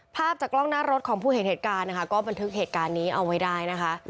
ภาพจากกล้องหน้ารถของผู้เห็นเหตุการณ์นะคะก็บันทึกเหตุการณ์นี้เอาไว้ได้นะคะ